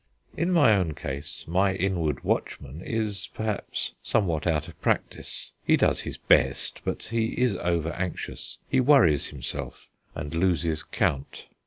In my own case my inward watchman is, perhaps, somewhat out of practice. He does his best; but he is over anxious; he worries himself, and loses count.